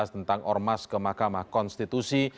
tentang ormas ke mahkamah konstitusi